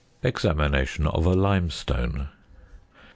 EXAMINATION OF A LIMESTONE.